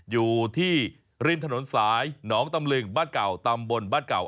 อยู่ที่ริมถนนสายหนองตำลึงบ้านเก่าตำบลบ้านเก่า